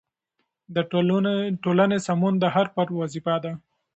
د ټولنې سمون د هر فرد وظیفه ده.